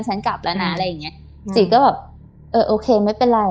ฉันกลับแล้วนะอะไรอย่างเงี้ยจีก็แบบเออโอเคไม่เป็นไร